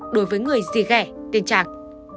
đối với người gì ghẻ tên trang